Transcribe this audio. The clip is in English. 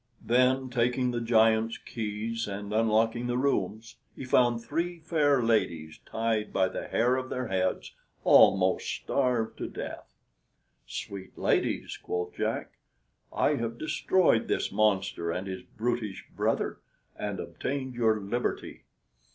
Then, taking the giant's keys, and unlocking the rooms, he found three fair ladies tied by the hair of their heads, almost starved to death. "Sweet ladies," quoth Jack, "I have destroyed this monster and his brutish brother, and obtained your liberty."